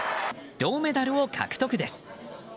銅メダルを獲得です。